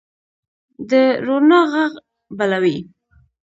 د روڼا ږغ بلوي